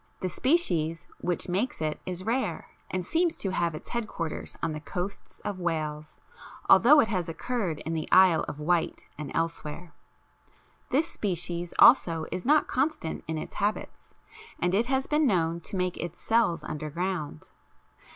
The species which makes it is rare and seems to have its headquarters on the coasts of Wales, although it has occurred in the Isle of Wight and elsewhere. This species also is not constant in its habits, as it has been known to make its cells underground.